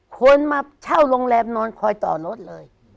คนมาเช่าโรงแรมนอนคอยต่อรถเลย